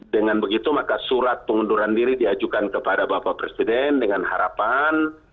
dengan begitu maka surat pengunduran diri diajukan kepada bapak presiden dengan harapan